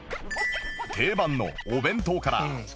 定番のお弁当から